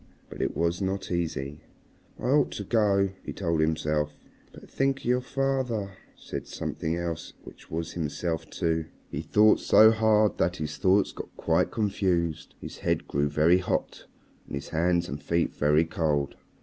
But it was not easy. "I ought to go," he told himself. "But think of your father," said something else which was himself too. He thought so hard that his thoughts got quite confused. His head grew very hot, and his hands and feet very cold.